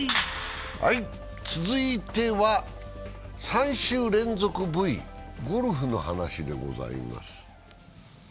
続いては３週連続Ｖ、ゴルフの話でございます。